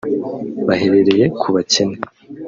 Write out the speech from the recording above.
bahereye ku bakene